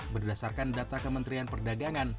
berdasarkan data kementerian perdagangan